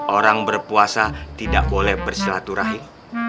orang berpuasa tidak boleh bersilaturahim